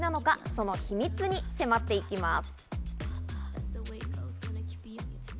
その秘密に迫っていきます。